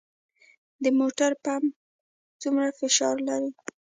د موټر پمپ څومره فشار لري؟